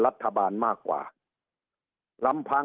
สุดท้ายก็ต้านไม่อยู่